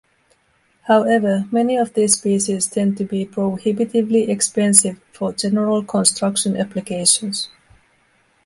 However, many of these species tend to be prohibitively expensive for general construction applications.